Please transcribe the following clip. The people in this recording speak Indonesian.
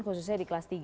khususnya di kelas tiga